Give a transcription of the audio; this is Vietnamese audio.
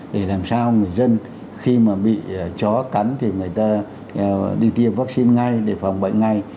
để làm sao người dân khi mà bị chó cắn thì người ta đi tiêm vaccine ngay để phòng bệnh ngay